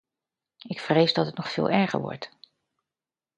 Ik vrees dat het nog veel erger wordt.